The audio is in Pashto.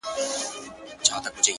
پخواني قومونه مختلف دودونه لرل